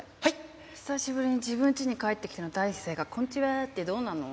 久しぶりに自分ちに帰ってきての第一声が「こんちは」ってどうなの？